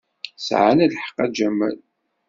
Sɛan lḥeqq, a Jamal.